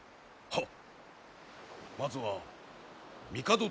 はっ？